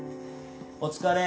お疲れ。